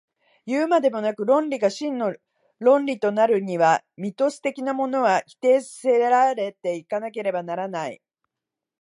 いうまでもなく、論理が真の論理となるには、ミトス的なものは否定せられて行かなければならない。